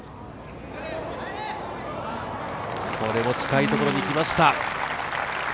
これも近いところにきました。